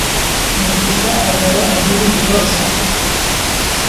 mugisha ahora agira ibibazo